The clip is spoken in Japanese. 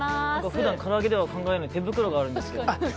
普段、唐揚げでは考えられない手袋があるんですけど。